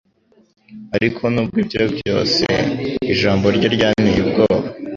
Ariko nubwo ibyo byose ijambo rye ryanteye ubwoba